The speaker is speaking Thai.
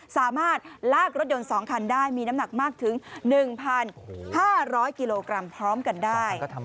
สามารถลากรถยนต์๒คันได้มีน้ำหนักมากถึง๑๕๐๐กิโลกรัมพร้อมกันได้